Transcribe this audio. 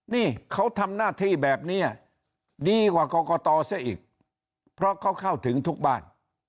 นี่เขาทำหน้าที่แบบนี้ดีกว่ากรกตซะอีกเพราะเขาเข้าถึงทุกบ้าน